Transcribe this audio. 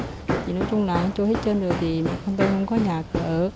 thì nói chung là trôi hết chân rồi thì mẹ con tôi không có nhà cửa ở